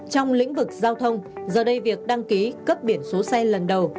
trong lĩnh vực giao thông giờ đây việc đăng ký cấp biển số xe lần đầu